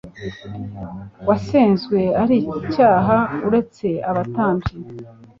wasenzwe ari icyaha uretse abatambyi